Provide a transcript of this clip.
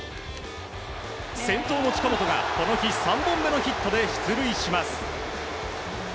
先頭の近本がこの日３本目のヒットで出塁します。